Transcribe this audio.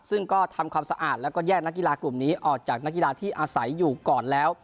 ซึ่งก็ทำความสะอาดแล้วก็แยกนักกีฬากลุ่มนี้ออกจากนักกีฬาที่อาศัยอยู่ก่อนแล้ว